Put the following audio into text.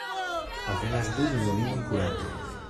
Alvenas du junulinoj kurante.